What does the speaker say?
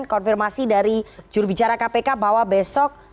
konfirmasi dari jurubicara kpk bahwa besok